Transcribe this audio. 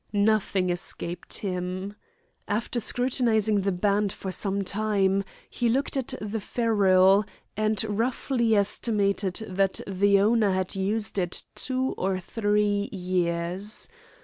Nothing escaped him. After scrutinising the band for some time, he looked at the ferrule, and roughly estimated that the owner had used it two or three years.